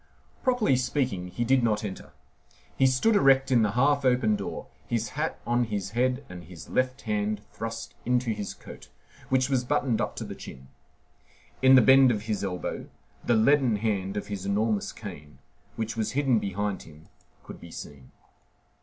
Properly speaking, he did not enter. He stood erect in the half open door, his hat on his head and his left hand thrust into his coat, which was buttoned up to the chin. In the bend of his elbow the leaden head of his enormous cane, which was hidden behind him, could be seen.